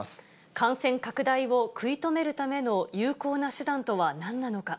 感染拡大を食い止めるための有効な手段とはなんなのか。